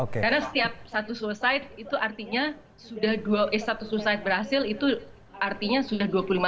karena setiap satu suicide itu artinya sudah dua eh satu suicide berhasil itu artinya sudah dua puluh lima kali pencegahan